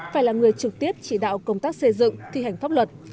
phải là người trực tiếp chỉ đạo công tác xây dựng thi hành pháp luật